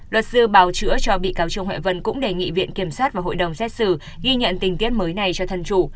luật sư bào chữa cho bị cáo trương huệ vân cũng đề nghị viện kiểm sát và hội đồng xét xử ghi nhận tình tiết mới này cho thân chủ